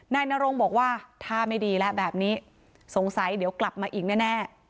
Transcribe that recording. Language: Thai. นายนารงบอกว่าถ้าไม่ดีก็สงสัยเดี๋ยวกลับอีกแน่